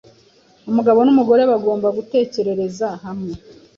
Umugabo n’umugore bagomba gutekerereza hamwe